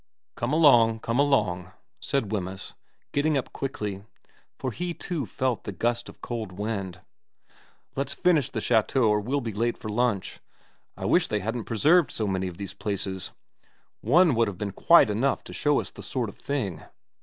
' Come along, come along,' said Wemyss, getting up quickly, for he too felt the gust of cold wind. ' Let's finish the chateau or we'll be late for lunch. I wish they hadn't preserved so many of these places one would have been quite enough to show us the sort of thing.'